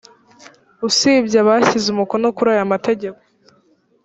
usibye abashyize umukono kuri aya mategeko